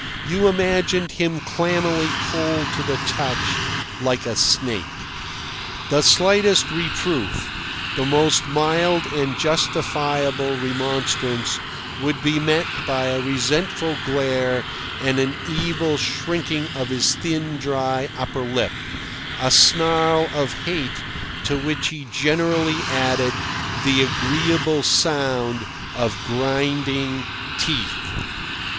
You imagined him clammily cold to the touch, like a snake. The slightest reproof, the most mild and justifiable remonstrance, would be met by a resentful glare and an evil shrinking of his thin dry upper lip, a snarl of hate to which he generally added the agreeable sound of grinding teeth.